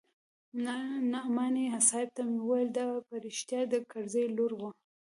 نعماني صاحب ته مې وويل دا په رښتيا د کرزي لور وه.